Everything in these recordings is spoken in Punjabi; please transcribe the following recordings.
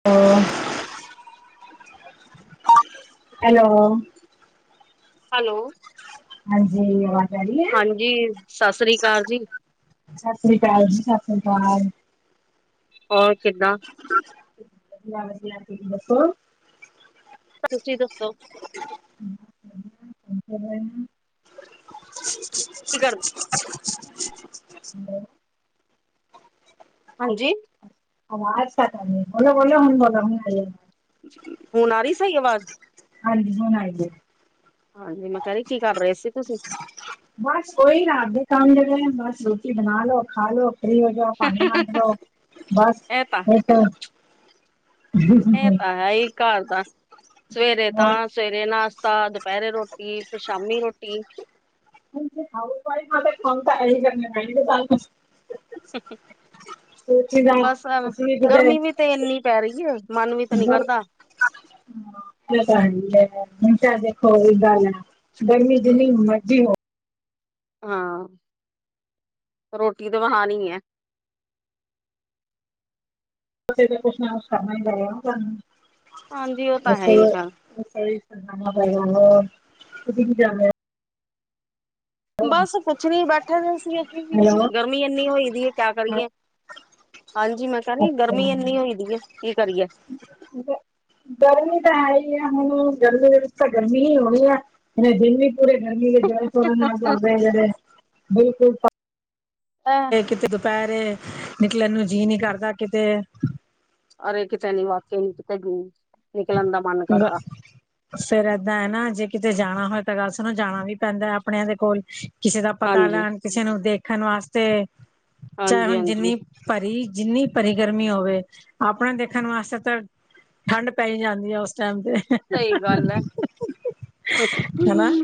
[unintelligible] ਹੈਲੋ ਹੈਲੋ ਹਾਂਜੀ, ਆਵਾਜ਼ ਆ ਰਹੀ ਹੈ? ਜੀ ਸਤਿ ਸ੍ਰੀ ਅਕਾਲ ਜੀ ਸਤਿ ਸ੍ਰੀ ਅਕਾਲ ਜੀ, ਸਤਿ ਸ਼੍ਰੀ ਅਕਾਲ ਹੋਰ ਕਿੱਦਾਂ ਵ ਦੱਸੋ ਤੁਸੀਂ ਦੱਸੋ ਹਨ ਹਮ ਕੀ ਕਰਦੇ ਹਾਂਜੀ ਸੀ ਬੋਲ ਬੋਲ ਹੁਣ ਬੋਲ ਮ ਹੁਣ ਆ ਰਹੀ ਸਹੀ ਆਵਾਜ਼ ਹਾਂਜੀ, ਹੁਣ ਆਈ ਜੇ ਹਾਂਜੀ, ਮੈਂ ਕਿਹਾਹਿਰੀ ਕੀ ਕਰ ਰਹੇ ਸੀ ਤੁਸੀਂ ਬਸ ਉਹੀ ਰਾਤ ਦੇ ਕੰਮ ਜਿਹੜੇ ਬਸ ਰੋਟੀ ਬਣਾ ਲੋੋ ਖਾ ਲੋ ਫਰੀ ਹੋ ਜਾਓ ਭਾਡੇ ਮਾਂਜ ਜਾਓ, ਬਸ ਇਹ ਤਾਂ ਫ ਇਹ ਤਾਂ ਹੈ ਹੀ ਘਰ ਦਾ ਸਵੇਰੇ ਤਾਂ ਸਵੇਰੇ ਨਾਸ਼ਤਾ, ਦੁਪਹਿਰੇ ਰੋਟੀ, ਫਿਰ ਸ਼ਾਮੀ ਰੋਟੀ [unintelligible] ਹੋਸੀ ਨਾ ਬਸ ਅਸੀਂ ਵੀ ਕਦੇ ਗਰਮੀ ਵੀ ਤੇ ਇੰਨੀ ਪੈ ਰਹੀ ਹੈ ਮਨ ਵੀ ਤਾਂ ਨੀ ਕਰਦਾ [unintelligible] ਹੁਣ ਕਿਹਾ ਦੇਖੋ ਇਹ ਗੱਲ ਹੈ, ਗਰਮੀ ਜਨੀ ਮਰਜ਼ੀ ਹੋ ਹਾਂ ਰੋਟੀ ਤੇ ਬਣਾਣੀ ਹੈ [unintelligible] ਕਰ ਮ ਬਾਇ ਹਾਂਜੀ ਉਹ ਤਾਂ ਹੈ ਹੀ ਚੱਲ [unintelligible] ਤੁਸੀਂ ਕੀ ਜਾ ਨੂੰ ਬਸ ਕੁਛ ਨੀ ਬੈਠੇ, ਬੈਠੇ ਦੇ ਸੀ ਅਸੀਂ ਵੀ ਹੈਲੋ ਗ ਮੀ ਇੰਨੀ ਹੋਈ ਦੀ ਹੈ, ਕਿਆ ਕਰੀਏ ਅੱਛਾ ਹਾਂਜੀ ਮੈਂ ਸੀ ਗਰਮੀ ਇੰਨੀ ਹੋਈਦੀ ਹੈ, ਕੀ ਕਰੀਏ ਗਰਮੀ ਤਾਂ ਹੈ ਹੀ ਆ, ਹੁਣ ਗਰਮੀ ਵਿੱਚ ਤਾਂ ਗਰਮੀ ਹੀ ਹੋਣੀ ਆ ਹੁ ਦਿਨ ਵੀ ਪੂਰੇ ਗਰਮੀ ਦੇ ਜਲ ਸੋਰਨ [unintelligible] ਆਗ ਬਿਲਕੁਲ ਕਿਤੇ ਦੁਪਹਿਰੇ ਨਿਕਲਣ ਨੂੰ ਜੀਅ ਨੀ ਕਰਦਾ, ਕਿਤੇ ਅਰੇ ਕਿਤੇੇ ਨੀ ਵਾਕਿਆ ਨ ਕਿਤੇ ਨਿਕਲਣ ਦਾ ਮਨ ਕਰਦਾ ਫੇਰ ਏਦਾਂ ਹੈ ਨਾ ਜੇ ਕਿਤੇ ਜਾਣਾ ਹੋਏ ਤਾਂ ਗੱਲ ਸਾਨੂੰ ਜਾਣਾ ਵੀ ਪੈਂਦਾ ਆਪਣਿਆਂ ਦੇ ਕੋਲ ਕਿਸੇ ਦਾ ਪਤਾ ਹਾਂਜੀ ਲੈਣ ਕਿਸੇ ਨੂੰ ਦੇਖਣ ਵਾਸਤੇ ਚਾਹੇ ਹਾਂਜੀ ਹੁਣ ਹਾਂਜੀ ਜਿੰਨੀ ਭਰੀ ਜਿੰਨੀ ਭਰੀ ਗਰਮੀ ਹੋਵੇ ਆਪਣਾ ਦੇਖਣ ਵਾਸਤੇ ਤਾਂ ਠੰਡ ਪਾਈ ਜਾਂਦੀ ਹੈ ਉਸ ਟਾਈਮ ਤੇ ਸਹੀ ਗੱਲ ਹੈ ਹੇਨਾ,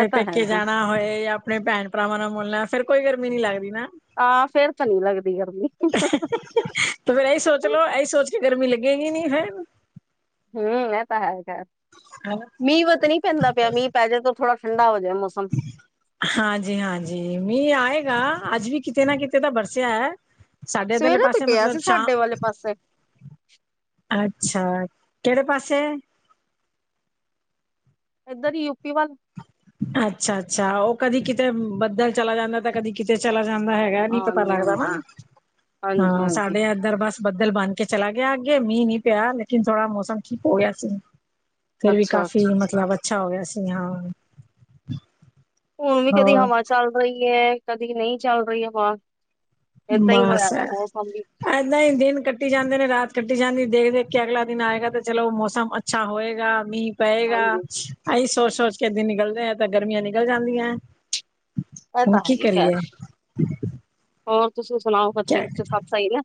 ਇਹ ਤਾਂ ਪੇਕੇ ਹੈਗਾ ਜਾਣਾ ਹੋਏ ਜਾਂ ਆਪਣੇ ਭੈਣ ਭਰਾਵਾਂ ਨਾਲ ਮੁੋਲਣਾ ਫੇਰ ਕੋਈ ਗਰਮੀ ਨੀ ਲੱਗਦੀ ਨਾ ਆਹ ਫੇਰ ਤਾਂ ਨੀ ਲੱਗਦੀ ਗਰਮੀ ਫੇਰ ਇਹੀ ਸੋਚ ਲੋੋ, ਇਹੀ ਸੋਚ ਕੇ ਗਰਮੀ ਲੱਗੇਗੀ ਨੀ ਹੈ ਹਮ ਇਹ ਤਾਂ ਹੈਗਾ ਹੈਂ ਮੀਂਹ ਤਾਂ ਨ ਨਹੀਂ ਪੈਂਦਾ ਪਿਆ ਮੀਂਹ ਪੈ ਜਾਏ ਤਾਂ ਥੋੜਾ ਠੰਡਾ ਜਾਏ ਮੌਸਮ ਹਾਂਜੀ-ਹਾਂਜੀ ਮੀਂਹ ਆਏਗਾ ਅੱਜ ਵੀ ਕਿਤੇ ਨਾ ਕਿਤੇ ਤਾਂ ਬਰਸਿਆ ਹੈ ਸਾਡੇ ਇੱਧਰਲੇ ਸਵੇਰੇ ਤੇ ਪਾਸੇ ਪਿਆ ਮਤਲਬ ਸੀ ਸ਼ਾਹ ਸਾਡੇ ਵਾਲੇ ਪਾਸੇ ਅੱਛਾ ਕਿਹੜੇ ਪਾਸੇ ਇੱਧਰ ਯੂਪੀ ਵੱਲ ਅੱਛਾ-ਅੱਛਾ ਉਹ ਕਦੀ ਕਿਤੇ ਬੱਦਲ ਚਲਾ ਜਾਂਦਾ ਤੇ ਕਦੀ ਕਿਤੇ ਚਲਾ ਜਾਂਦਾ ਹੈਗਾ ਨੀ ਪਤਾ ਹਾਂਜੀ ਲੱਗਦਾ ਨਾ ਹਾਂਜੀ ਹਾਂਜੀ ਹਾਂ ਹਾਂਜੀ ਸਾਡੇ ਇਏਧਰ ਬਸ ਬੱਦਲ ਬਣ ਕੇ ਚਲਾ ਗਿਆ ਅੱਗੇ ਮੀਂਹ ਨੀ ਪਿਆ ਲੇਕਿਨ ਥੋੜ੍ਹਾ ਮੌਸ ਠੀਕ ਹੋ ਗਿਆਆ ਸੀ ਫਿਰ ਵੀ ਅੱਛਾ ਕਾਫ਼ੀ ਅੱਛਾ ਮਤਲਬ ਅੱਛਾ ਹੋ ਗਿਆ ਸੀ ਹਾਂ ਹੁਣ ਵੀ ਕਦੀ ਹੋਰ ਹਵਾ ਚੱਲ ਰਹੀ ਹੈ ਕਦੀ ਨਹੀਂ ਚੱਲ ਰਹੀ ਹਵਾ ਏਦਾਂ ਹੀ ਹੋਇਆ ਬਸ ਦਾ ਮੌਸਮ ਵੀ ਇਏਦਾਂ ਹੀ ਦਿਨ ਕੱਟੀ ਜਾਂਦੇ ਨੇ ਰਾਤ ਕੱਟੀ ਜਾਂਦੀ ਦੇਖ ਦੇਖ ਕੇ ਅਗਲਾ ਦਿਨ ਆਏਗਾ ਤੇ ਚਲੋ ਮੌਸਮ ਅੱਛਾ ਹੋਏਗਾ, ਮੀਂ ਪਏਗਾ। ਹਾਂਜੀ ਅਸੀਂ ਸੋਚ ਸੋਚ ਕੇ ਦਿਨ ਨਿਕਲਦੇ ਹ ਤਾਂ ਗਰਮੀਆਂ ਨਿਕਲ ਜਾਂਦੀਆਂ ਇਹ ਹੁ ਤਾਂ ਹੈ ਕੀ ਹੀ ਖੈਰ ਕਰੀਏ ਹੋਰ ਤੁਸੀਂ ਸੁਣਾਓ ਬੱਚੇ ਕਿਆ ਖੱਚੇ ਸੱਤ ਸਹੀਐ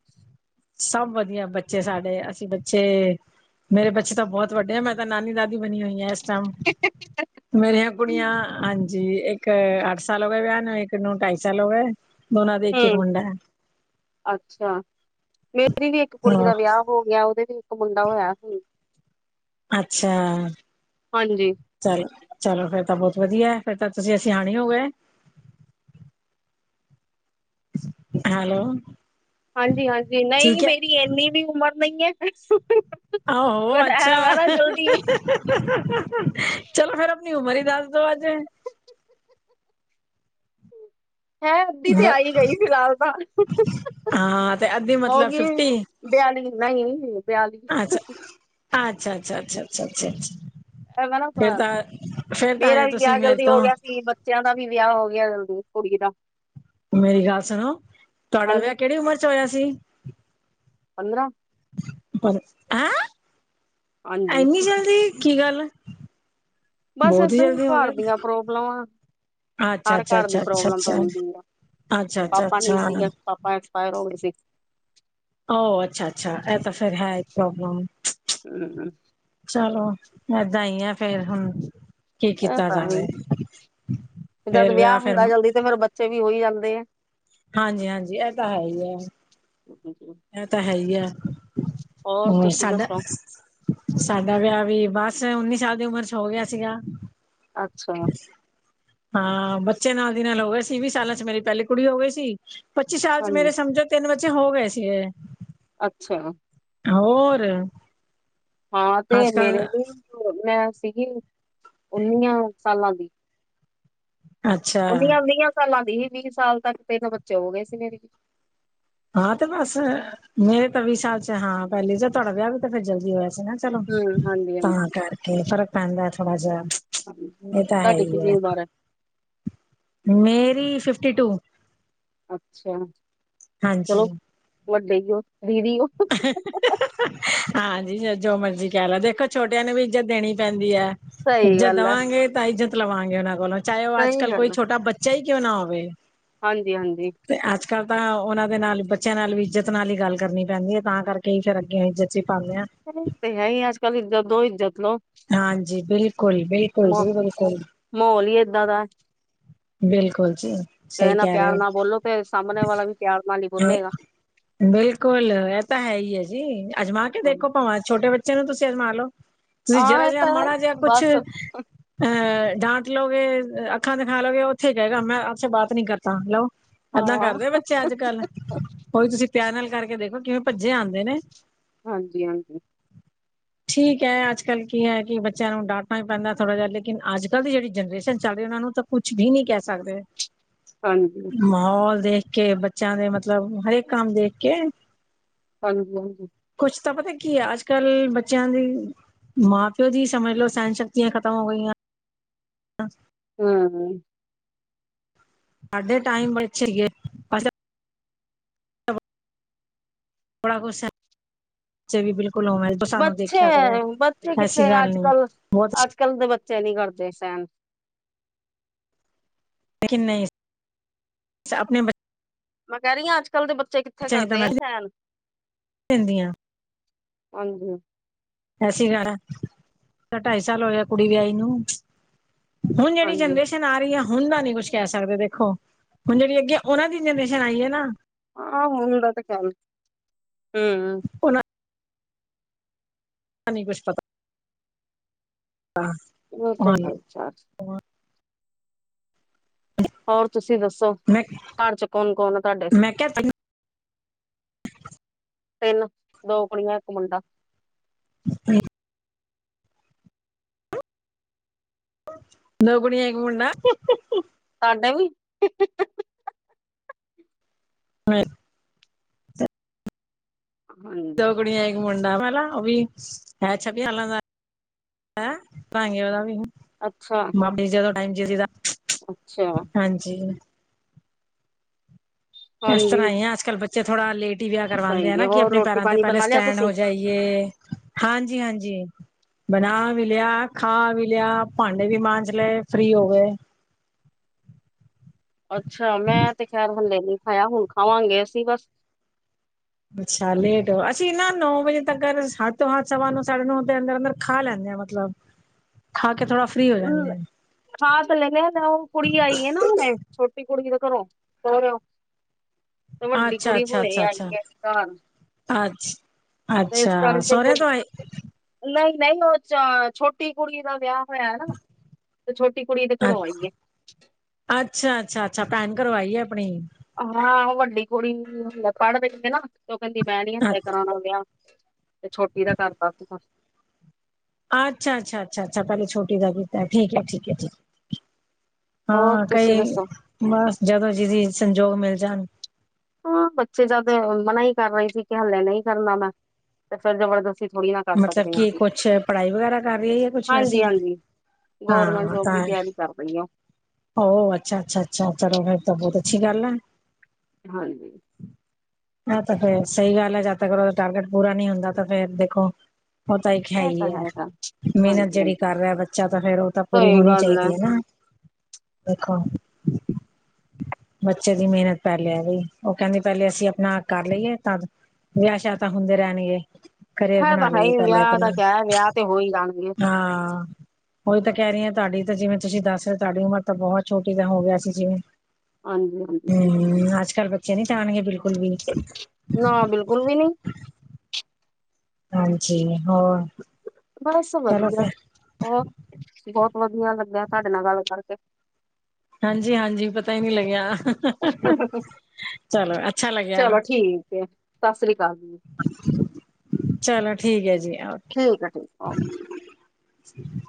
ਸਭ ਵਧੀਆ ਬੱਚੇ ਸਾਡੇ ਅਸੀਂ ਬੱਚੇ ਮੇਰੇ ਬੱਚੇ ਤਾਂ ਬਹੁਤ ਵੱਡੇ ਆ ਮੈਂ ਤਾਂ ਨਾਨੀ ਦਾਦੀ ਬਣੀ ਹੋਈ ਹੈ ਇਸ ਮੇਰੀਆਂ ਕੁੜੀਆਂ ਹਾਂ ਜੀ ਇੱਕ ਅੱਠ ਸਾਲ ਹੋ ਗਏ ਵਿਆਹ ਨੂੰ ਇੱਕ ਨੂੰ ਢਾਈ ਸਾਲ ਹੋ ਗਏ ਦੋਨਾਂ ਦਾ ਇੱਕ-ਇੱਕ ਹੂੰ ਮੁੰਡਾ ਹੈ ਅੱਛਾ ਮੇਰੀ ਵੀ ਇੱਕ ਕੁੜੀ ਹਾਂ ਦਾ ਵਿਆਹ ਹੋ ਗਿਆ ਉਹਦੇ ਵੀ ਇੱਕ ਮੁੰਡਾ ਹੋਇਆ ਸੀ ਅੱਛਾ ਹਾਂਜੀ ਚੱਲ ਚਲੋ ਫੇਰ ਤਾਂ ਬਹੁਤ ਵਧੀਆ ਫੇਰ ਤਾਂ ਤੁਸੀਂ ਅਸੀਂ ਆਣੇ ਹੋ ਗਏ ਹੈਲੋ ਹਾਂਜੀ-ਹਾਂਜੀ ਨਹੀਂ ਠੀਕ ਹੈ ਮੇਰੀ ਇੰਨੀ ਵੀ ਉਮਰ ਨਹੀਂ ਹੈ ਆਹ ਹੋ ਪਰ ਅੱਛਾ ਐ ਵਾ ਨਾ ਜਲਦੀ ਵੀ ਚਲੋ ਫੇਰ ਆਪਣੀ ਉਮਰ ਹੀ ਦੱਸ ਦੋ ਅੱਜ ਹੈ ਅੱਧੀ ਤੇ ਆਈ ਗਈ ਫਿਲਹਾਲ ਤਾਂ ਹਾਂ ਤੇ ਅੱਧੀ ਹੋ ਮਤਲਬ ਗਈ ਬਿਆਲੀ ਨਹੀਂ ਬਿਆਲੀ ਅੱਛਾ-ਅੱਛਾ ਅੱਛਾ-ਅੱਛਾ ਅੱਛ ਅੱ ਅ ਮੈਂ ਨਾ ਤਾਂ ਮੇਰਾ ਹਜੇ ਵੀ ਤੁਸੀਂ ਵਿਆਹ ਮੇਰੇ ਜਲਦੀ ਹੋ ਤੋਂ ਗਿਆ ਸੀ ਬੱਚਿਆਂ ਦਾ ਵੀ ਵਿਆਹ ਹੋ ਗਿਆ ਜ ਕੁੜੀ ਦਾ ਮੇਰੀ ਗੱਲ ਸੁਣੋ ਤੁਹਾਡਾ ਹਾਂਜੀ ਵਿਆਹ ਕਿਹੜੀ ਉਮਰ ਚ ਹੋਇਆ ਸੀ ਪੰਦਰਾਂ ਪਰ ਹੈਂ ਹਾਂਜੀ ਇਏਨੀ ਜਲਦੀ ਕੀ ਗੱਲ ਬਸ ਬਹੁਤ ਏਦਾਂ ਹੀ ਜਲਦੀ ਹੋ ਘਰ ਗਿਆ ਦੀਆਂ ਪ੍ਰੋਬਲਮਾਂ ਅੱਛਾ ਹਰ ਅੱਛਾ ਘਰ ਦੀ ਅੱਛਾ ਅੱਛਾ ਪ੍ਰੋਬਲਮ ਤਾਂ ਅੱਛਾ ਹੁੰਦੀ ਆ ਅੱਛਾ ਅੱਛਾ ਪਾਪਾ ਨਹੀਂ ਅੱਛਾ ਸੀਗਾ ਪਾਪਾ ਐਕਸਪਾਇਰ ਹੋ ਗਏ ਸੀ ਅੱਛਾ-ਅੱਛਾ ਇਹ ਤਾਂ ਫੇਿਰ ਹੈ ਪ੍ਰੋਬਲਮ ਹਮਮ ਚਲੋ ਏਦਾਂ ਹੀ ਆ ਫੇਰ ਹੁਣ ਕੀ ਇਹ ਕੀਤਾ ਤਾਂ ਹੀ ਜਾਵੇ ਜਦ ਫੇਰ ਵਿਆਹ ਫੇਿਰ ਹੁੰਦਾ ਜਲਦੀ ਫੇਰ ਬੱਚੇ ਵੀ ਹੋਈ ਜਾਂਦੇ ਆ। ਹਾਂਜੀ-ਹਾਂਜੀ ਇਹ ਤਾ ਹੈ ਈ ਐ। [inaudible] ਇਹ ਤਾ ਹੈ ਈ ਐ, ਹੋਰ ਤੁਸੀਂ ਸਾਡਾ ਦੱਸੋ ਸਾਡਾ ਵਿਆਹ ਵੀ ਬਸ ਉੱਨੀ ਸਾਲ ਦੀ ਉਮਰ ਚ ਹੋ ਗਿਆ ਸੀਗਾ ਅੱਛਾ ਹਾਂ ਬੱਚੇ ਨਾਲ ਦੀ ਨਾਲ ਹੋ ਗਏ ਸੀ ਵੀਹ ਸਾਲਾਂ ਚ ਮੇਰੀ ਪਹਿਲੀ ਕੁੜੀ ਹੋ ਗਈ ਸੀ ਪੱਚੀ ਸਾਲ ਚ ਹਾਂਜੀ ਮੇਰੇ ਸਮਝੋ ਤਿੰਨ ਬੱਚੇ ਹੋ ਗਏ ਸੀਗੇ ਅੱਛ ਹੋਰ? ਹਾਂ ਤੇ ਅੱਜ ਮੇਰੇ ਕੱਲ ਲਈ ਮੈਂ ਸੀਗੀ, ਉਨੀਆਂ ਸਾਲਾਂ ਦੀ। ਅੱਛਾ ਉਨੀਆਂ ਵੀਹਾਂ ਸਾਲਾਂ ਦੀ ਹੀ ਵੀਹ ਸਾਲ ਤੱਕ ਤਿੰਨ ਬੱਚੇ ਹੋ ਗਏ ਸੀ ਮੇਰੀ ਵੀ ਹਾਂ ਤੇ ਬਸ ਮੇਰੇ ਤਾਂ ਵੀਹ ਸਾਲ ਚ ਹਾਂ ਪਹਿਲੀ ਜਾ ਤੁਹਾਡਾ ਵਿਆਹ ਵੀ ਤਾਂ ਫਿਰ ਜਲਦੀ ਹੋਇਆ ਸੀ ਨਾ ਚਲੋ ਹਮ ਹਾਂਜੀ ਤਾਂ ਹਾਂਜੀ ਕਰਕੇ ਫ਼ਰਕ ਪੈਂਦਾ ਥੋੜਾ ਜਿਹਾ ਹਾਂਜੀ। ਇਹ ਤਾ ਹੈ ਤੁਹਾਡੀ ਈ ਕਿੰਨੀ ਐ, ਉਮਰ ਹੈ ਮੇਰੀ ਫਿਫਟੀ ਟੂ ਅੱਛਾ, ਹਾਂਜੀ। ਚਲੋ, ਵੱਡੇਈ ਓ ਦੀਦੀ ਓ। ਹਾਂਜੀ ਜੋ ਮਰਜੀ ਕਹਿ ਲਾ ਦੇਖੋ, ਛੋਟਿਆਂ ਨੂੰ ਵੀ ਇੱਜ਼ਤ ਦੇਣੀ ਪੈਂਦੀ ਐ। ਸਹੀ ਜੇ ਗੱਲ ਹੈ ਦੇਵਾਂਗੇ ਤਾਂ ਇੱਜਤ ਲਵਾਂਗੇ ਉਹਨਾਂ ਕੋਲੋਂ, ਚਾਏ ਉਹ ਅੱਜ ਸਹੀ ਕੱਲ ਕੋਈ ਛੋਟਾ ਬੱਚਾ ਚਈ ਕਿਉਂ ਨਾ ਹੋਵੇ? ਹਾਂਜੀ-ਹਾਂਜੀ। ਅੱਜ-ਕੱਲ੍ਹ ਤਾਂ ਉਹਨਾਂ ਦੇ ਨਾਲ ਬੱਚਿਆਂ ਨਾਲ ਵੀ ਇੱਜ਼ਤ ਨਾਲ ਹੀ ਗੱਲ ਕਰਨੀ। ਪਹਿੰਦੀ ਹੈ ਤਾਂ ਕਰਕੇ ਫੇਰ ਅੱਗੇ ਅਸੀਂ ਜੱਚੀ ਪਾਨੇਂ ਆਂ ਹੈ ਈ ਐ, ਅੱਜ ਕੱਲ੍ਹ ਇੱਜ਼ਤ ਦੋ, ਇੱਜ਼ਤ ਲੋ। ਹਾਂਜੀ, ਬਿਲਕੁਲ-ਬਿਲਕੁਲ ਜੀ, ਬਿਲਕੁਲ। ਮਾਹੌਲ ਹੀ ਏਦਾਂ ਦਾ ਹੈ, ਬਿਲਕੁਲ ਜੀ। ਕਿਸੇ ਸਹੀ ਨਾਲ ਕਹਿ ਪਿਆਰ ਰਹੇ ਨਾਲ ਬੋਲੋ ਤੇ, ਸਾਹਮਨੇ ਵਾਲਾ ਵੀ ਪਿਆਰ ਨਾਲ ਹੀ ਹੋ ਬੋਲੇਗਾ। ਬਿਲਕੁਲ, ਇਹ ਤਾਂ ਹੈ ਈ ਐ ਜੀ, ਅਜਮਾ ਕੇ ਹਾਂ ਦੇਖੋ ਭਾਵਾਂ ਛੋਟੇ ਬੱਚੇ ਨੂੰ ਤੁਸੀਂ ਅਜਮਾ ਲੋੋ। ਤੁਸੀਂ ਹਾਂ ਜਰਾ ਇਹ ਜਿਆ ਤਾਂ ਹੈ ਮਾੜਾ ਜਿਆ ਕੁੱਛ ਬਸ ਅਹ, ਡਾਂਟ ਲੋਗੇ ਅੱਖਾਂ ਦਿਖਾ ਲੋਗੇ, ਉੱਥੇ ਕਹਿਗਾ ਮੈਂ ਆਪਸੇ ਬਾਤ ਨੀ ਕਰਤਾ, ਲੋ। ਐਦਾਂ ਹਾਂ ਕਰਦੇ ਬੱਚੇ ਅੱਜ ਕੱਲ, ਉਹੀ ਤੁਸੀਂ ਪਿਆਰ ਨਾਲ ਕਰਕੇ ਦੇਖੋ ਕਿਵੇਂ ਭੱਜੇ ਆਂਦੇ ਨੇ। ਹਾਂਜੀ-ਹਾਂਜੀ। ਠੀਕ ਐ, ਅੱਜ ਅਜ ਕੱਲ ਕੀ ਐ ਕਿ ਬੱਚਿਆ ਨੂੰ ਡਾਟਣਾਈ ਪੈਂਦਾ ਥੋੜ੍ਹਾ ਜਿਆ ਲੇਕਿਨ, ਅੱਜ ਕੱਲ੍ਹ ਦੀ ਜਿਹੜੀ ਜਨਰੇਸ਼ਨ ਚੱਲ ਰਹੀ ਉਹਨਾਂ ਨੂੰ ਤਾਂ ਕੁਛ ਵੀ ਨੀ ਕਹਿ ਸਕਦੇ? ਹਾਂਜੀ ਮਹੌਲ ਦੇਖ ਕੇ ਬੱਚਿਆਂ ਦੇ ਮਤਲਬ, ਹਰੇਕ ਕੰਮ ਦੇਖ ਕੇ ਹਾਂਜੀ-ਹਾਂਜੀ। ਕੁੱਛ ਤਾਂ ਪਤਾ ਕੀ ਆ, ਅੱਜ-ਕੱਲ ਬੱਚਿਆਂ ਦੀ ਮਾਂ ਪਿਓ ਜੀ ਸਮਝ ਲੋੋ ਸਹਿਣ ਸ਼ਕਤੀਆਂ ਖ਼ਤਮ ਹੋ ਗਈਆਂ। ਹਾਂ, [inaudible] ਹੂੰ, ਹੁੰ। ਸਾਡੇ ਟਾਈਮ ਬਚ ਸੀਗੇ। [unintelligible] ਥੋੜਾ ਕੁਛੱਚੇ ਵੀ ਬਿਲਕੁ ਹੋ ਮਿਲ, [unintelligible] ਬੱਚੇ, ਬੱਚੇ ਕਿੱਥੇ ਗੱਲ ਨਹੀਂ ਅੱਜ-ਕੱਲ, ਬਹੁਤ ਅੱਜ-ਕੱਲ ਦੇ ਬੱਚੇ ਨੀ ਕਰਦੇ ਸਹਿਨ। ਲੇਕਿਨ ਨਹੀਂ, ਆਪਣੇ ਬੱਚੇ ਮੈਂ ਕਹਿ ਰਹੀ ਆਂ ਅੱਜ-ਕੱਲ੍ਹ ਦੇ ਬੱਚੇ ਕਿੱਥੇ ਕਰਦੇ ਆ ਸਹਿਨ? ਪੈਂਦੀਆਂ, [unintelligible] ਹਾਂਜੀ। ਐਸੀ ਕਰ ਢਾਈ ਸਾਲ ਹੋ ਗਿਆ, ਕੁੜੀ ਵਿਆਹੀ ਨੂੰ [inaudible] ਹੁਣ ਜਿਹੜੀ ਹਾਂਜੀ ਜਨਰੇਸ਼ਨ ਆ ਰਹੀ ਹੈ ਹੁਣ ਦਾ ਨੀ ਕੁਛ ਕਹਿ ਸਕਦੇ ਦੇਖੋ, ਹੁਣ ਜਿਹੜੀ ਅੱਗੇ ਉਹਨਾਂ ਦੀ ਜਨਰੇਸ਼ਨ ਆਈ ਹੈ ਨਾ। ਆਹ ਹੁੰਦਾ ਤੇ ਖਿਆਲ ਹੂੰ, ਉਹਨਾਂ ਹ ਨਹੀਂ ਕੁਛ ਪਤਾ ਹ ਇਹੋ ਤਾਂ ਐ, ਹੋਰ ਤੁਸੀਂ ਦੱਸੋ? ਮੈਂ ਘਰ ਚ ਕੌਣ ਕੌਣ ਆ ਤੁਹਾਡੇ? ਮੈਂ ਕਿਹਾ ਤਿੰਨ, ਦੋ ਕੁੜੀਆਂ ਇੱਕ ਮੁੰਡਾ। ਹਮੀ, [unintelligible] ਦੋ ਕੁੜੀਆਂ ਇਕ ਮੁੰਡਾ ਸਾਡੇ ਵੀ ਹਾਂ [unintelligible] ਹਾਂਜੀ ਦੋਗਣੀੀਆਂ [unintelligible] ਮੁੰਡਾ ਪਹਿਲਾ ਉਹ ਵੀ ਹੈ ਛਬੀ ਸਾਲਾਂ ਦਾ ਭਾਂਵੇ ਉਹਦਾ ਵੀ [unintelligible] ਅੱਛਾ। ਆਪਣੀ ਜਦੋਂ ਟਾਈਮ ਅੱਛਾ [unintelligible] ਹਾਂਜੀ ਇਸ ਹਾਂਜੀ ਤਰ੍ਹਾਂ ਹੀ ਆਂ, ਅੱਜ ਕੱਲ੍ਹ ਬੱਚੇ ਥੋੜਾ ਲੇਟ ਹੀ ਵਿਆਹ ਕਰਵਾਉਂਦੇ ਸਹੀ ਹੈ ਹਨਾ ਕਿ ਹੋਰ ਆਪਣੇ ਰੋਟੀ ਪੈਰਾਂ ਤੇ ਪਾਣੀ ਪਹਿਲੇ ਬਣਾ ਲਿਆ ਸਟੈਂਡ ਤੁਸੀਂ ਹੋ ਜਾਏ। ਜੇ, ਹਾਂਜੀ, ਹਾਂਜੀ। ਬਣਾ ਵੀ ਲਿਆ ਖਾ ਵੀ ਲਿਆ ਭਾਂਡੇ ਵੀ ਮਾਂਜ ਲਏ ਫ੍ਰਰੀ ਹੋ ਗਏ। ਅੱਛਾ ਮੈਂ ਤੇ ਖੈਰ ਹਲੇੇ ਨ ਖਾਇਆ ਹੁਣ ਖਾਵਾਂਗੇ ਅਸੀਂ ਬਸ ਅੱਛਾ ਲੇਟ ਹੋ ਅਸੀਂ ਨਾ ਨੌ ਵਜੇ ਤੱਕ ਅਠ ਤੋਂ ਅਠ ਸਵਾ ਨੋ ਸਾਢੇ ਨੌ ਦੇ ਅੰਦਰ ਅੰਦਰ ਖਾ ਲੈਂਦੇ ਹਾਂ। ਮਤਲਬ ਖਾ ਕੇ ਥੋੜਾ ਫਰੀ ਹੋ ਲ- ਜਾਂਦੇ। ਖਾ ਤੇ ਲੈਣੇ ਆ ਉਹ ਕੁੜੀ ਆਈ ਹੈ ਨਾ ਹੁਣੇ ਛੋਟੀ ਕੁੜੀ ਦੇ ਘਰੋਂ ਸਹਰਉ ਤੇ ਆ ਵੱਡੀ ਕੁੜੀ ਹੁਣੇ ਆਈ ਹੈ ਘਰ ਅੱਜੀ, ਤੇ ਇਸ ਕਰਕੇ ਫਿਰ ਨਹੀਂ-ਨਹੀਂ, ਉਹ ਚ ਛੋਟੀ ਕੁੜੀ ਦਾ ਵਿਆਹ ਹੋਇਆ ਨਾ, ਤੇ ਛੋਟੀ ਕੁੜੀ ਦੇ ਘਰੋਂ ਆਈ। ਅੱਛਾ-ਅੱਛਾ-ਅੱਛਾ, ਪੈਨ ਕਰਵਾਈਏ ਆਪਣੀ। ਹਾਂ ਵੱਡੀ ਕੁੜੀ ਪੜ੍ਹ ਪੈਂਦੇ ਨਾ, ਤੇ ਉਹ ਕਹਿੰਦੀ ਮੈਂ ਨੀ ਹੱਲਲੇ ਕਰਾਣਾ ਵਿਆਹ ਤੇ ਛੋਟੀ ਦਾ ਕਰਰਦਾ ਸੀ। ਅੱਛਾ-ਅੱਛਾ-ਅੱਛਾ-ਅੱਛਾ, ਪਹਿਲੇ ਛੋਟੀ ਦਾ ਗ ਕੀਤਾ ਠੀ ਹੈ ਠੀਕ ਹੈ ਠੀਕ। ਹੋਰ ਹਾਂ ਤੁਸੀਂ ਕਈ ਦੱਸੋ ਬਸ ਜਦੋਂ ਜਿਦੀ ਸੰਜੋਗ ਮਿਲ ਜਾਣ। ਹਾਂ ਬੱਚੇ ਦਾ ਮਨਾ ਹੀ ਕਰਨਾ ਹਲੇੇ ਨਹੀਂ ਕਰਨਾ ਮੈਂ ਤੇ ਫਿਰ ਜਬਰਦਸਤੀ ਥੋੜ੍ਹੀ ਨਾ ਕਰ ਮਤਲਬ ਸਕਦੇ ਹਾਂ ਕਿ ਅਸੀਂ ਕੁਛ ਪੜ੍ਹਾਈ ਵਗੈਰਾ ਕਰ ਰਹੀ ਹੈ ਜਾਂ ਕੁਛ ਵੈਸੇ ਹਾਂਜੀ, ਹਾਂਜੀ। ਗੌਰਮੈਂਟ ਹਾਂ ਜੋਬ ਦੀ ਤਾਂ ਤਿਆਰੀ ਕਰ ਰਹੀ ਆ। ਅੱਛਾ, ਅੱਛਾ, ਅੱਛਾ ਚਲੋ ਤਾਂ ਬਹੁਤ ਅੱਛੀ ਗੱਲ ਆ ਹੈ। ਹਾਂਜੀ। ਹ ਤਾਂ ਫੇਰ ਸਹੀ ਗੱਲ ਹੈ। ਜਦ ਤੱਕਦਾ ਟਾਰਗੇਟ ਪੂਰਾ ਨਹੀਂ ਹੁੰਦਾ ਤਾਂ ਫੇਰ ਦੇਖੋ ਉਹ ਤਾਂ ਇੱਕ ਹੈ ਇਹ ਤਾਂ ਹੀ ਹੈ। ਤਾਂ ਮਿਹਨਤ ਹਾਂਜੀ ਜਿਹੜੀ ਹਾਂਜੀ ਕਰ ਰਿਹਾ ਬੱਚਾ ਤਾਂ ਫੇਰ ਉਹ ਤਾਂ ਪੂਰੀ ਸਹੀ ਹੋਣੀ ਗੱਲ ਚਾਹੀਦੀ ਹੈ ਨਾ ਦੇਖੋ। ਬੱਚੇ ਦੀ ਮਿਹਨਤ ਪੈ ਲਿਆ ਵੀ ਉਹ ਕਹਿੰਦੀ ਪਹਿਲੇ ਅਸੀਂ ਆਪਣਾ ਕਰ ਲਈਏ ਤਾਂ ਵਿਆਹ ਸ਼ਾਹ ਤਾਂ ਹੁੰਦੇ ਰਹਿਣਗੇ। ਕਰੀਅਰ ਹੈ ਬਣਾ ਤਾਂ ਹੈ ਲਈ ਹੀ ਪਹਲੇ ਵਿਆਹ ਦਾ ਆਪਣਾ ਕਿਆ ਹੈ, ਵਿਆਹ ਤੇ ਹੋ ਹੀ ਜਾਣਗੇ ਹਾਂ ਉਹੀ ਤਾਂ ਕਹਿ ਰਹੀ ਆ ਤੁਹਾਡੀ ਤਾਂ ਜਿਵੇਂ ਤੁਸੀਂ ਦੱਸ ਰਹੇ ਤੁਹਾਡੀ ਉਮਰ ਤਾਂ ਬਹੁਤ ਛੋਟੀ ਤਾਂ ਹੋ ਗਿਆ ਸੀ ਜਿਵੇਂ ਹਾਂਜੀ, ਹਾਂਜੀ ਅੱਜ ਕੱਲ੍ਹ ਬੱਚੇ ਨੀ ਜਾਣਗੇ ਬਿਲਕੁਲ ਵੀ ਨਾ ਬਿਲਕੁਲ ਵੀ ਨਹੀਂ। ਹਾਂਜੀ ਹੋਰ ਬਸ ਚਲੋ ਵਧੀਆ ਫਿਰ ਬਹੁਤ ਵਧੀਆ ਲੱਗਿਆ ਤੁਹਾਡੇ ਨਾਲ ਗੱਲ ਕਰਕੇ। ਹਾਂਜੀ, ਹਾਂਜੀ ਪਤਾ ਹੀ ਨਹੀਂ ਲੱਗਿਆ ਕਰਕੇ ਚਲੋ ਅੱਛਾ ਲੱਗਿਆ। ਠੀਕ ਏ। ਸਤਿ ਸ੍ਰੀ ਅਕਾਲ ਜੀ। ਚਲੋ ਠੀਕ ਹੈ ਜੀ ਓਕੇ। ਠੀਕ ਹੈ ਠੀਕ ਓਕੇ [inaudible]